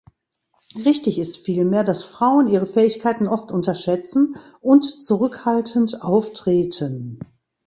Richtig ist vielmehr, dass Frauen ihre Fähigkeiten oft unterschätzen und zurückhaltend auftreten.